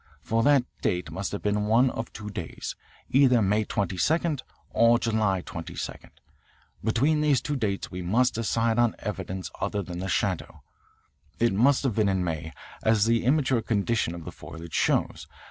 For that date must have been one of two days, either May 22 or July 22. Between these two dates we must decide on evidence other than the shadow. It must have been in May, as the immature condition of the foliage shows.